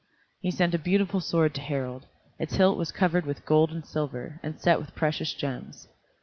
He sent a beautiful sword to Harald. Its hilt was covered with gold and silver, and set with precious gems.